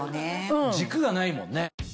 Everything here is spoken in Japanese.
軸がないもんね。